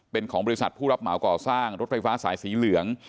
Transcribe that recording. เป็นของบริษัทผู้รับเหมาก่อสร้างรถไฟฟ้าสายสีเหลือง